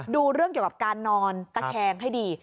ดูเรื่องเกี่ยวกับการนอนตะแคงให้ดี